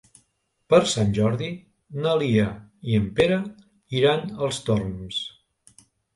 Per Sant Jordi na Lia i en Pere iran als Torms.